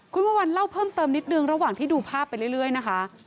คุณพระวันเล่าเพิ่มเติมนิดนึงระหว่างที่ดูภาพไปเรื่อยนะคะ